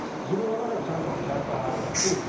自分の中にちゃんとキャラクターがあるからと。